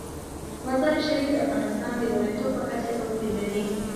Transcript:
مزارشریف د افغانستان د ولایاتو په کچه توپیر لري.